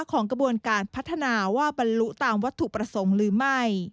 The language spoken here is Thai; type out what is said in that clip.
ของกระบวนการพัฒนาว่าบรรลุตามวัตถุประสงค์หรือไม่